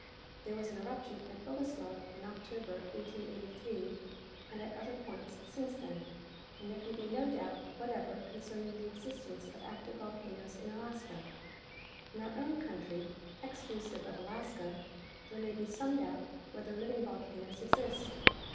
There was an eruption at Bogoslov in October, 1883, and at other points since then, and there can be no doubt whatever concerning the existence of active volcanoes in Alaska. In our own country, exclusive of Alaska, there may be some doubt whether living volcanoes exist.